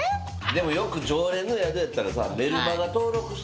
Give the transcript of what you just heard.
でもよく常連の宿やったらさ。